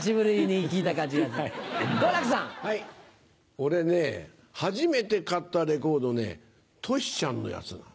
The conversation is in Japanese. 俺初めて買ったレコードねトシちゃんのやつなの。